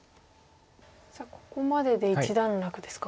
さあここまでで一段落ですか？